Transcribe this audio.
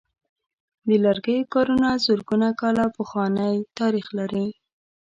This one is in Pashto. د لرګیو کارونه زرګونه کاله پخوانۍ تاریخ لري.